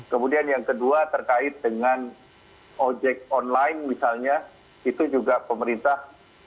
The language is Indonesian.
kemudian yang kedua terkait dengan ojek online misalnya itu juga pemerintah